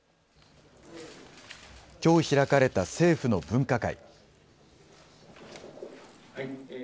きょう開かれた政府の分科会。